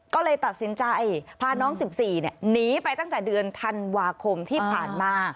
ก็เลยตัดสินใจพาน้อง๑๔หนีไปตั้งแต่เดือนธันวาคมที่ผ่านมา